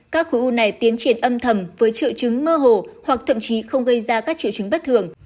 các khối u này tiến triển âm thầm với trợ trứng mơ hồ hoặc thậm chí không gây ra các trợ trứng bất thường